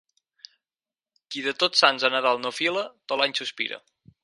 Qui de Tots Sants a Nadal no fila, tot l'any sospira.